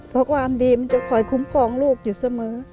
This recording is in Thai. เพราะความดีมันจะคอยคุ้มครองลูกอยู่เสมอ